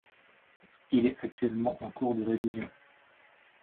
Il est actuellement en cours de révision.